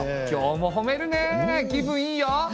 今日もほめるね気分いいよ。